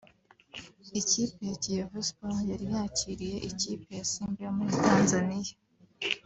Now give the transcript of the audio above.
Ikipe ya Kiyovu Sports yari yakiriye ikipe ya Simba yo muri Tanzania